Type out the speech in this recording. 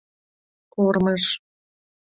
ОРМЫЖ